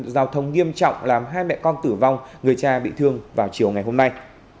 giao thông nghiêm trọng làm hai mẹ con tử vong người cha bị thương vào chiều ngày hôm nay